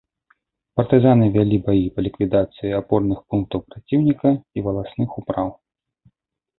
Партызаны вялі баі па ліквідацыі апорных пунктаў праціўніка і валасных упраў.